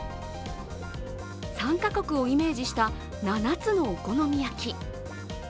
参加国をイメージした７つのお好み焼き。